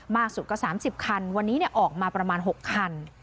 สุดกว่า๓๐คันวันนี้ออกมาประมาณ๖คัน